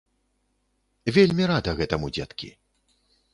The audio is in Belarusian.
Вельмі рада гэтаму, дзеткі.